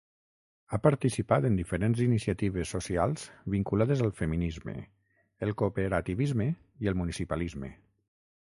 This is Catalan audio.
Ha participat en diferents iniciatives socials vinculades al feminisme, el cooperativisme i el municipalisme.